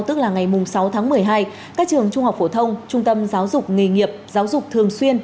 sáu tháng một mươi hai các trường trung học phổ thông trung tâm giáo dục nghề nghiệp giáo dục thường xuyên